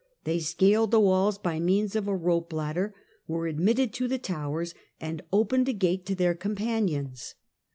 They scaled the walls by means of a rope ladder, were admitted to the towers, and opened a gate to their companions.